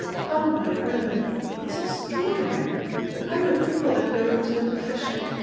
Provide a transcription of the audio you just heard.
'Pon my word, it's extraordinary, the kind of people that go into the profession!